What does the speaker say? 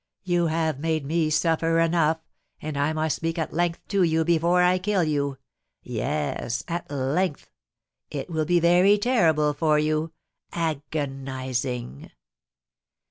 You have made me suffer enough, and I must speak at length to you before I kill you, yes, at length. It will be very terrible for you, agonising!"